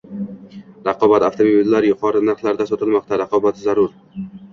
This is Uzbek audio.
raqobat? Avtomobillar yuqori narxlarda sotilmoqda? Raqobat zarur